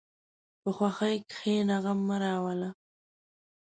په خوښۍ کښېنه، غم مه راوله.